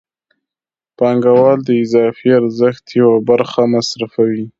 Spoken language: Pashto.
پانګوال د اضافي ارزښت یوه برخه مصرفوي